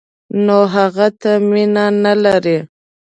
نو هغه ته مینه نه لري.